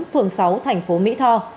phường sáu thành phố mỹ tho